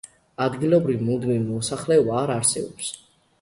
ადგილობრივი მუდმივი მოსახლეობა არ არსებობს.